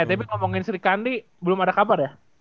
tapi ngomongin sri kandi belum ada kabar ya